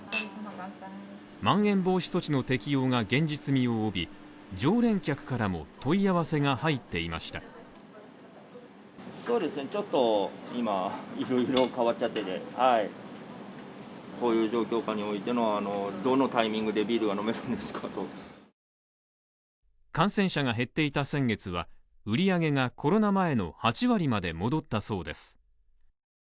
まん延防止措置の適用が現実味を帯び、常連客からも問い合わせが入っていました感染者が減っていた先月は売り上げがコロナ前の８割まで戻ったそうです。